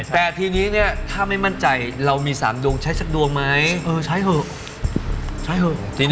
แต่ทีนี้เนี่ยถ้าไม่มั่นใจเรามี๓ดวงใช้สักดวงไหมเออใช้เถอะใช้เถอะ